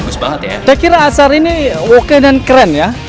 sampaikan mereka barang dan suara